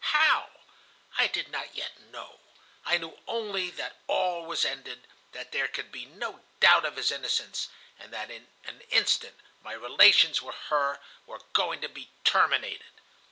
How? I did not yet know. I knew only that all was ended, that there could be no doubt of his innocence, and that in an instant my relations with her were going to be terminated.